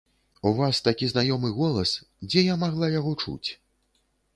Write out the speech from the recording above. У вас такі знаёмы голас, дзе я магла яго чуць?